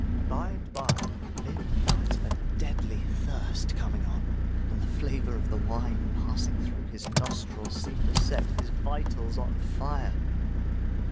By and by, Lin felt a deadly thirst coming on; and the flavour of the wine passing through his nostrils, seemed to set his vitals on fire.